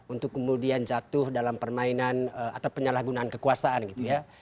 untuk kemudian jatuh dalam permainan atau penyalahgunaan kekuasaan gitu ya